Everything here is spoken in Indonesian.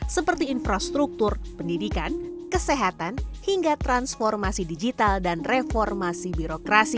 seperti infrastruktur pendidikan kesehatan hingga transformasi digital dan reformasi birokrasi